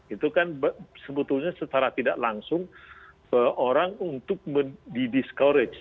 itu kan sebetulnya secara tidak langsung orang untuk didiscourage